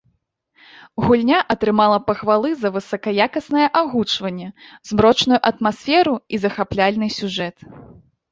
Гульня атрымала пахвалы за высакаякаснае агучванне, змрочную атмасферу і захапляльны сюжэт.